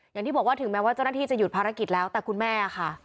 อย่างที่บอกว่าถึงแม้ว่าเจ้าหน้าที่จะหยุดภารกิจแล้วแต่คุณแม่ค่ะ